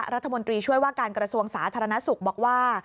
รัฐมนตรีช่วยว่าการกระทรวงสาธารณสุขบอกว่า